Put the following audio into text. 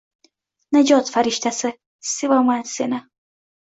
Najot farishtasi, sevaman seni